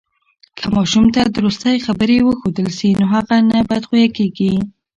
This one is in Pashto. که ماشوم ته درستی خبرې وښودل سي، نو هغه نه بد خویه کیږي.